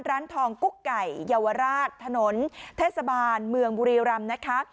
ร้านทองกุ๊กไก่เยาวราชถนนเทศบาลเมืองบุรีรำนะคะ